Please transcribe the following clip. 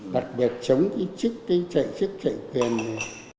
đặc biệt chống cái chức chức chức chức quyền này